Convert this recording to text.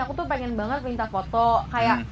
aku tuh pengen banget minta foto kayak